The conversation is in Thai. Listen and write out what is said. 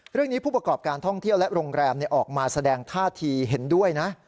ผู้ประกอบการท่องเที่ยวและโรงแรมออกมาแสดงท่าทีเห็นด้วยนะ